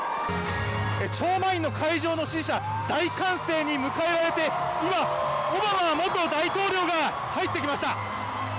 超満員の会場の支持者、大歓声に迎えられて、今、オバマ元大統領が入ってきました。